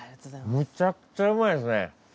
むちゃくちゃ美味いですね。